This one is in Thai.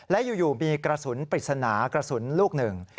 และอยู่มีกระสุนปริศนากระสุนลูกหนึ่ง